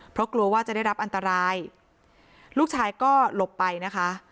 เพราะกลัวว่าจะได้รับอันตรายลูกชายก็หลบไปนะคะ